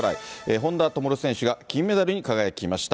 本多灯選手が銀メダルに輝きました。